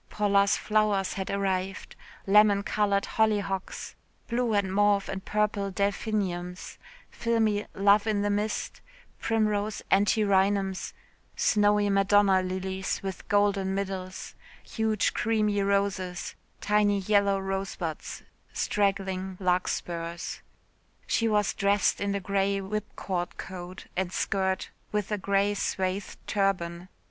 Paula's flowers had arrived lemon coloured hollyhocks, blue and mauve and purple delphiniums, filmy love in the mist, primrose antirrhinums, snowy Madonna lilies with golden middles, huge creamy roses, tiny yellow rosebuds, straggling larkspurs. She was dressed in a grey whipcord coat and skirt with a grey swathed turban.